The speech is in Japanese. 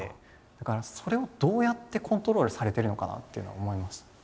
だからそれをどうやってコントロールされてるのかなっていうのは思いました。